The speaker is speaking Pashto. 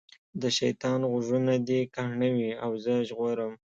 د شیطان غوږونه دي کاڼه وي او زه ژغورم.